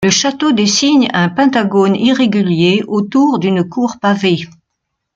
Le château dessine un pentagone irrégulier autour d'une cour pavée.